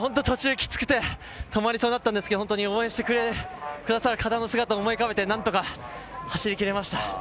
途中、キツくて止まりそうだったんですけれど応援してくださる方の姿を思い浮かべて何とか走り切れました。